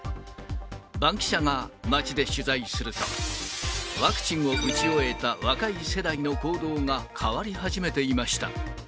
バンキシャが街で取材すると、ワクチンを打ち終えた若い世代の行動が変わり始めていました。